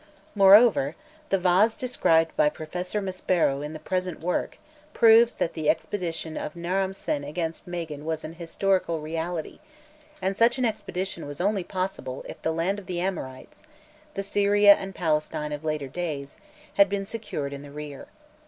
Moreover, the vase described by Professor Maspero in the present work proves that the expedition of Naram Sin against Magan was an historical reality, and such an expedition was only possible if "the land of the Amorites," the Syria and Palestine of later days, had been secured in the rear.